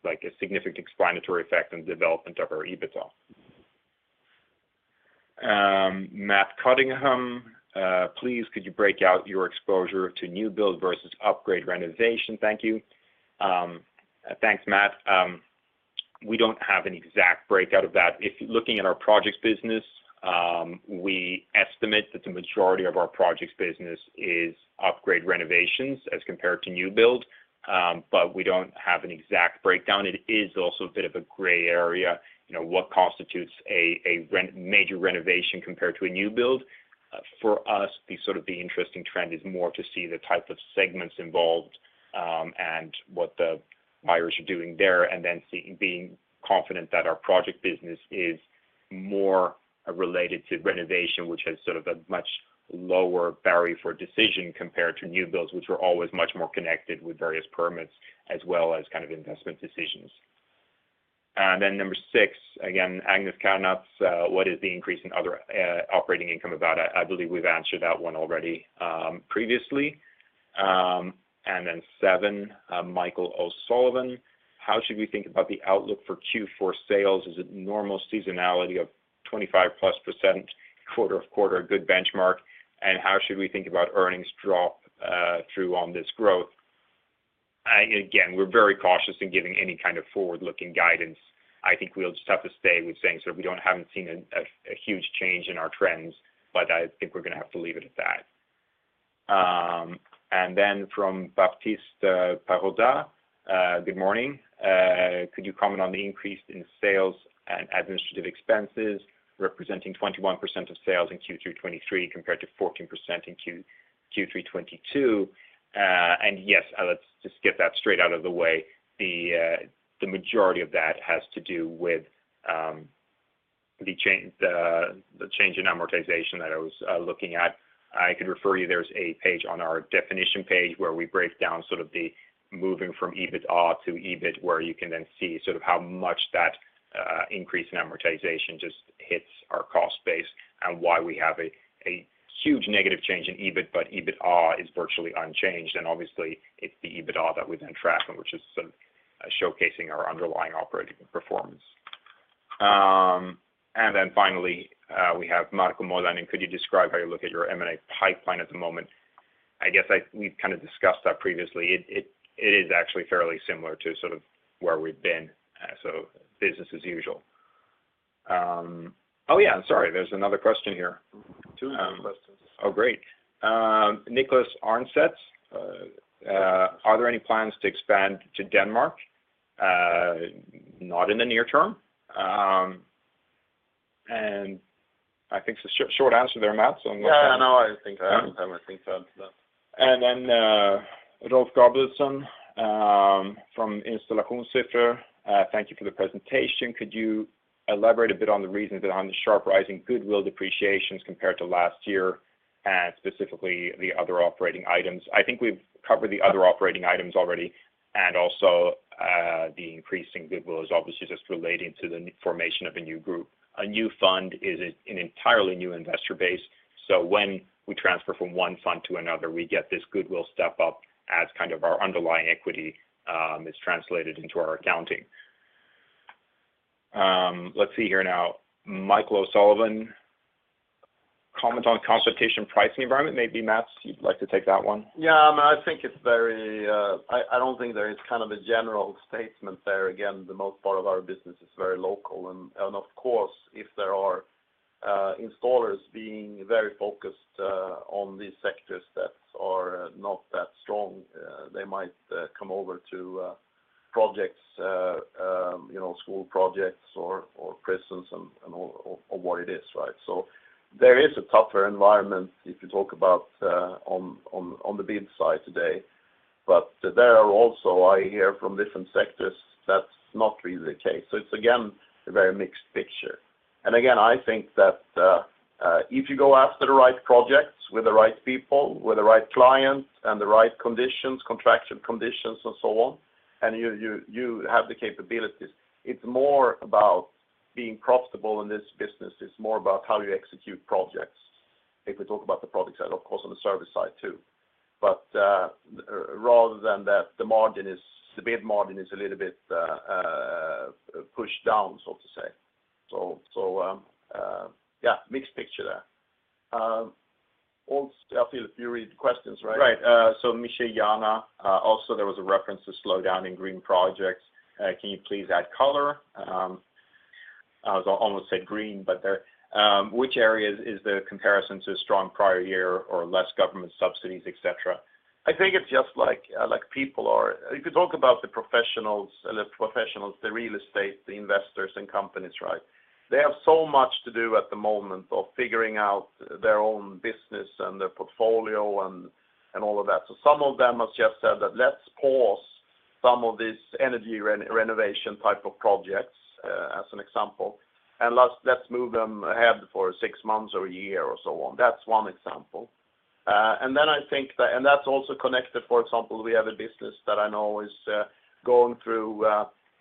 like a significant explanatory effect on the development of our EBITDA. Matt Cunningham, "Please, could you break out your exposure to new build versus upgrade renovation? Thank you." Thanks, Matt. We don't have an exact breakout of that. If you're looking at our projects business, we estimate that the majority of our projects business is upgrade renovations as compared to new build, but we don't have an exact breakdown. It is also a bit of a gray area, you know, what constitutes a major renovation compared to a new build. For us, the sort of the interesting trend is more to see the type of segments involved, and what the buyers are doing there, and then see being confident that our project business is more related to renovation, which has sort of a much lower barrier for decision compared to new builds, which are always much more connected with various permits, as well as kind of investment decisions. And then number 6, again, Agnes Karnats, "What is the increase in other, operating income about?" I, I believe we've answered that one already, previously. And then 7, Michael O'Sullivan, "How should we think about the outlook for Q4 sales? Is it normal seasonality of 25+% quarter-over-quarter a good benchmark, and how should we think about earnings drop-through on this growth?" Again, we're very cautious in giving any kind of forward-looking guidance. I think we'll just have to stay with saying, so we don't - haven't seen a huge change in our trends, but I think we're gonna have to leave it at that. And then from Baptiste Paroda, "Good morning. Could you comment on the increase in sales and administrative expenses, representing 21% of sales in Q3 2023, compared to 14% in Q3 2022? Yes, let's just get that straight out of the way. The majority of that has to do with the change in amortization that I was looking at. I could refer you; there's a page on our definition page where we break down sort of the moving from EBITDA to EBIT, where you can then see sort of how much that increase in amortization just hits our cost base... and why we have a huge negative change in EBIT, but EBITA is virtually unchanged, and obviously, it's the EBITA that we then track, and which is sort of showcasing our underlying operating performance. And then finally, we have Marco Moilenin: Could you describe how you look at your M&A pipeline at the moment? I guess we've kind of discussed that previously. It is actually fairly similar to sort of where we've been, so business as usual. Oh, yeah, I'm sorry, there's another question here. Two more questions. Oh, great. Niklas Arnseth: Are there any plans to expand to Denmark? Not in the near term. And I think it's a short answer there, Mats, so- Yeah, I know, I think I have the- And then, Rolf Garberson, from Installationssiffror: Thank you for the presentation. Could you elaborate a bit on the reasons behind the sharp rise in goodwill depreciations compared to last year, and specifically, the other operating items? I think we've covered the other operating items already, and also, the increase in goodwill is obviously just relating to the formation of a new group. A new fund is an entirely new investor base, so when we transfer from one fund to another, we get this goodwill step up as kind of our underlying equity is translated into our accounting. Let's see here now, Michael O'Sullivan: Comment on consultation pricing environment. Maybe, Mats, you'd like to take that one? Yeah, I mean, I think it's very. I don't think there is kind of a general statement there. Again, the most part of our business is very local, and of course, if there are installers being very focused on these sectors that are not that strong, they might come over to projects, you know, school projects or prisons and all, or what it is, right? So there is a tougher environment if you talk about on the bid side today, but there are also. I hear from different sectors, that's not really the case. So it's again, a very mixed picture. Again, I think that if you go after the right projects with the right people, with the right clients, and the right conditions, contract conditions, and so on, and you have the capabilities, it's more about being profitable in this business. It's more about how you execute projects, if we talk about the product side, of course, on the service side, too. But rather than that, the margin is, the bid margin is a little bit pushed down, so to say. So yeah, mixed picture there. Also, I feel if you read the questions, right? Right, so Michelle Yana, also there was a reference to slowdown in green projects. Can you please add color? I was almost said green, but there, which areas is the comparison to a strong prior year or less government subsidies, et cetera? I think it's just like, like people are. If you talk about the professionals, the real estate, the investors, and companies, right? They have so much to do at the moment of figuring out their own business and their portfolio and all of that. So some of them have just said that, "Let's pause some of these energy renovation type of projects," as an example, "and let's move them ahead for six months or a year or so on." That's one example. And then I think that, and that's also connected, for example, we have a business that I know is going through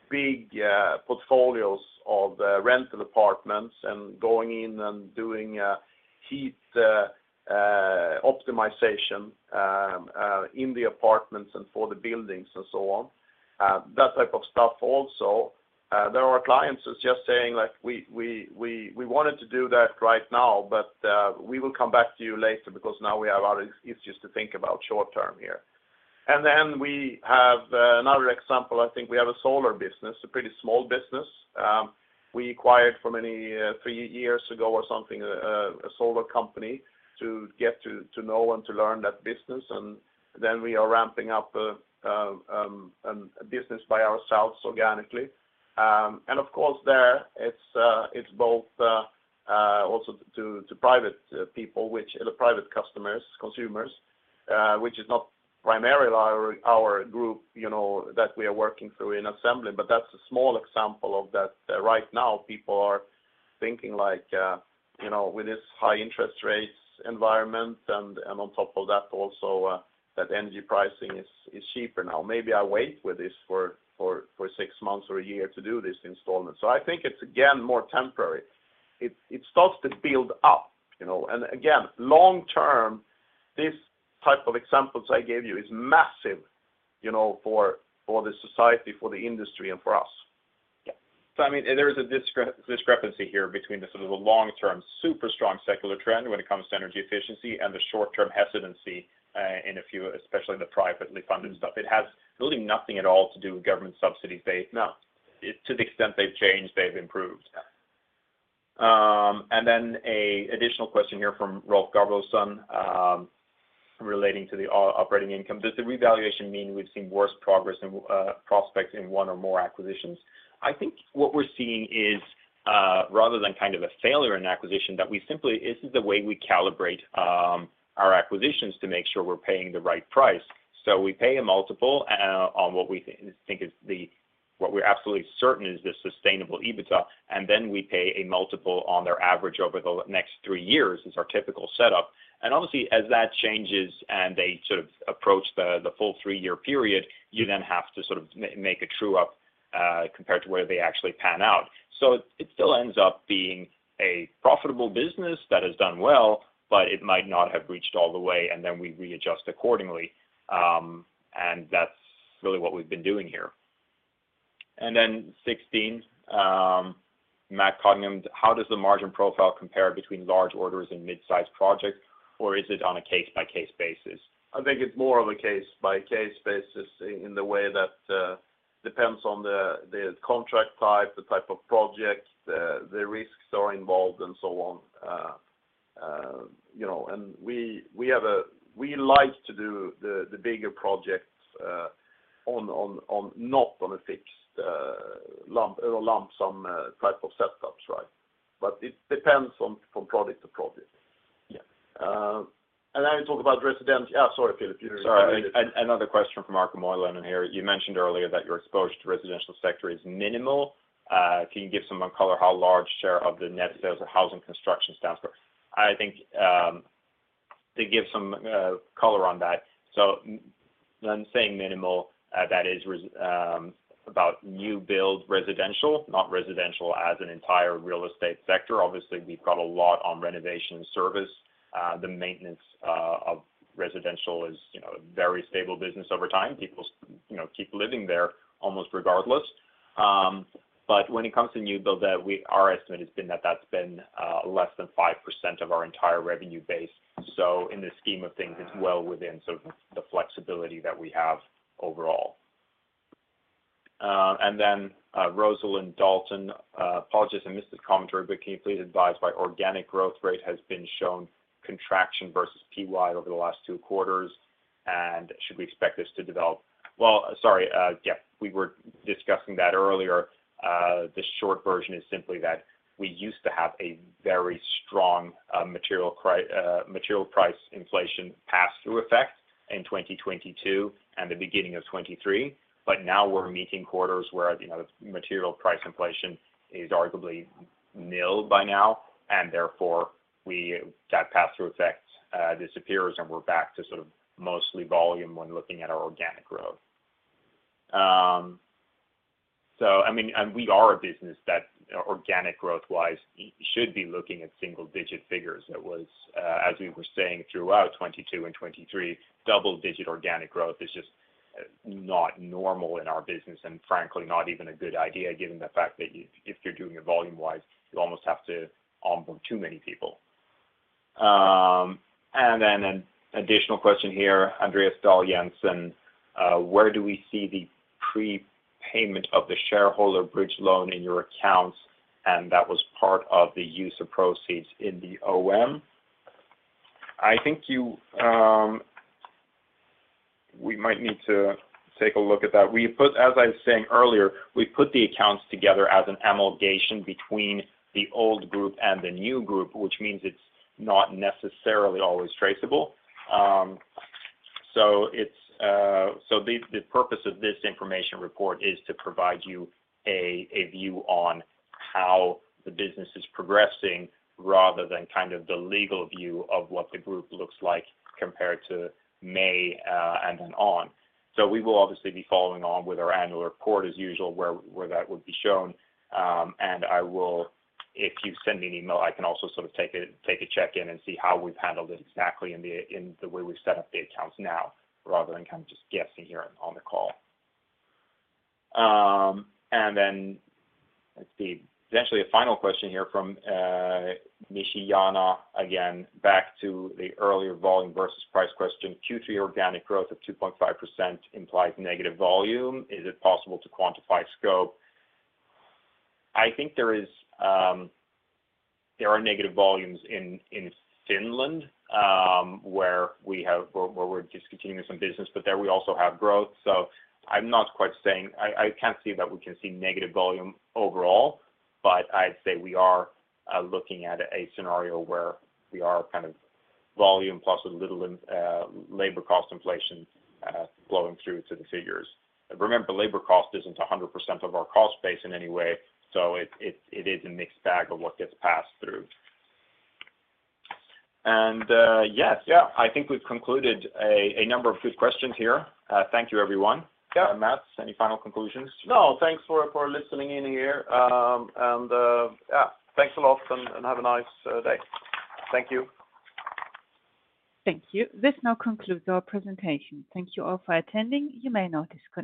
big portfolios of rental apartments and going in and doing heat optimization in the apartments and for the buildings and so on. That type of stuff also, there are clients who's just saying, like, "We, we, we, we wanted to do that right now, but we will come back to you later because now we have other issues to think about short term here." And then we have another example. I think we have a solar business, a pretty small business. We acquired from many three years ago or something a solar company to get to know and to learn that business, and then we are ramping up a business by ourselves organically. And of course there, it's both also to private people, which the private customers, consumers, which is not primarily our group, you know, that we are working through in Assemblin, but that's a small example of that. Right now, people are thinking like, you know, with this high interest rates environment, and on top of that, also, that energy pricing is cheaper now. Maybe I wait with this for six months or a year to do this installment. So I think it's again, more temporary. It starts to build up, you know, and again, long term, this type of examples I gave you is massive, you know, for the society, for the industry, and for us. Yeah. So I mean, there is a discrepancy here between the sort of the long-term, super strong secular trend when it comes to energy efficiency and the short-term hesitancy in a few, especially in the privately funded stuff. It has really nothing at all to do with government subsidy base. No. To the extent they've changed, they've improved. Yeah. And then an additional question here from Rolf Garberson, relating to the operating income. Does the revaluation mean we've seen worse progress in prospects in one or more acquisitions? I think what we're seeing is, rather than kind of a failure in acquisition, that we simply, this is the way we calibrate our acquisitions to make sure we're paying the right price. So we pay a multiple on what we think is the, what we're absolutely certain is the sustainable EBITA, and then we pay a multiple on their average over the next three years, is our typical setup. And obviously, as that changes and they sort of approach the full three-year period, you then have to sort of make a true up compared to where they actually pan out. So it still ends up being a profitable business that has done well, but it might not have reached all the way, and then we readjust accordingly. And that's really what we've been doing here. And then 16, Matt Cunningham, how does the margin profile compare between large orders and mid-size projects, or is it on a case-by-case basis? I think it's more of a case-by-case basis in the way that depends on the contract type, the type of project, the risks are involved and so on. You know, and we have a we like to do the bigger projects on not on a fixed lump sum type of setups, right? But it depends on from project to project. Yes. and then you talk about resident—sorry, Philip, you— Sorry. Another question from Marco Moilenin in here. You mentioned earlier that your exposure to residential sector is minimal. Can you give some more color, how large share of the net sales of housing construction stands for? I think, to give some color on that. So when saying minimal, that is, about new build residential, not residential as an entire real estate sector. Obviously, we've got a lot on renovation service. The maintenance of residential is, you know, a very stable business over time. People, you know, keep living there almost regardless. But when it comes to new build, our estimate has been that that's been less than 5% of our entire revenue base. So in the scheme of things, it's well within sort of the flexibility that we have overall. And then, Rosalind Dalton, apologies, I missed this commentary, but can you please advise by organic growth rate has been shown contraction versus PY over the last two quarters, and should we expect this to develop? Well, sorry, yeah, we were discussing that earlier. The short version is simply that we used to have a very strong, material price inflation pass-through effect in 2022 and the beginning of 2023, but now we're meeting quarters where, you know, the material price inflation is arguably nilled by now, and therefore, we, that pass-through effect, disappears, and we're back to sort of mostly volume when looking at our organic growth. So I mean, and we are a business that, organic growth-wise, should be looking at single-digit figures. It was, as we were saying, throughout 2022 and 2023, double-digit organic growth is just not normal in our business, and frankly, not even a good idea, given the fact that if you're doing it volume-wise, you almost have to on board too many people. And then an additional question here, Andreas Dahl-Jensen, where do we see the prepayment of the shareholder bridge loan in your accounts? And that was part of the use of proceeds in the OM. I think you... We might need to take a look at that. We put, as I was saying earlier, we put the accounts together as an amalgamation between the old group and the new group, which means it's not necessarily always traceable. So it's, so the purpose of this information report is to provide you a view on how the business is progressing rather than kind of the legal view of what the group looks like compared to May, and then on. So we will obviously be following on with our annual report as usual, where that would be shown. And I will, if you send me an email, I can also sort of take a check in and see how we've handled it exactly in the way we've set up the accounts now, rather than kind of just guessing here on the call. And then, let's see, essentially a final question here from Mishi Yana. Again, back to the earlier volume versus price question, Q3 organic growth of 2.5% implies negative volume. Is it possible to quantify scope? I think there is, there are negative volumes in Finland, where we have, where we're discontinuing some business, but there we also have growth. So I'm not quite saying... I can't see that we can see negative volume overall, but I'd say we are looking at a scenario where we are kind of volume plus a little labor cost inflation flowing through to the figures. Remember, labor cost isn't 100% of our cost base in any way, so it is a mixed bag of what gets passed through. And yes, yeah, I think we've concluded a number of good questions here. Thank you, everyone. Yeah. Mats, any final conclusions? No, thanks for listening in here. And yeah, thanks a lot, and have a nice day. Thank you. Thank you. This now concludes our presentation. Thank you all for attending. You may now disconnect.